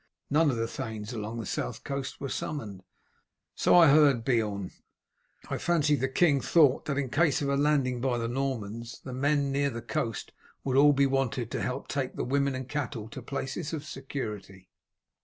None of the thanes along the south coast were summoned." "So I heard, Beorn. I fancy the king thought that in case of a landing by the Normans the men near the coast would all be wanted to help take the women and cattle to places of security."